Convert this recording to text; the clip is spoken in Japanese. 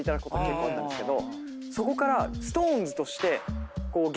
そこから。